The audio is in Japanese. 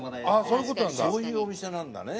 そういうお店なんだね。